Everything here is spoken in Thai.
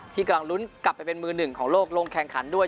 ที่กำลังลุ้นกลับไปเป็นมือหนึ่งของโลกลงแข่งขันด้วย